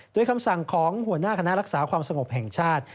โดยคำสั่งของหัวหน้าคณะรักษาความสงบแห่งชาติ